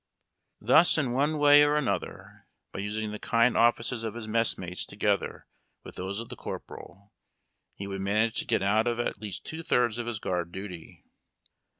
Thus in one way and another, by using the kind offices of his messmates together with those of the corporal, he would manage to get out of at least two thirds of his guard duty.